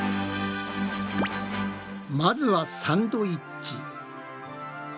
まずはサンドイッチ。